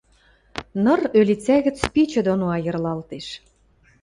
Ныр ӧлицӓ гӹц пичӹ доно айырлалтеш.